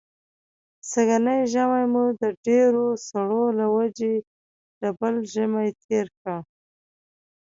سږنی ژمی مو د ډېرو سړو له وجې ډبل ژمی تېر کړ.